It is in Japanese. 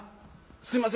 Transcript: すいません